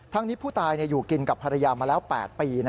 นี้ผู้ตายอยู่กินกับภรรยามาแล้ว๘ปี